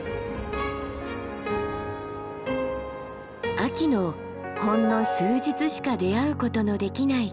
秋のほんの数日しか出会うことのできない輝き。